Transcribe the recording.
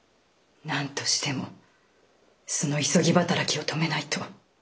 何としてもその急ぎ働きを止めないと。